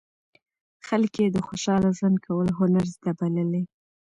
خلک یې د خوشاله ژوند کولو هنر زده بللی.